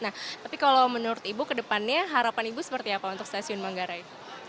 nah tapi kalau menurut ibu ke depannya harapan ibu seperti apa untuk stasiun manggarai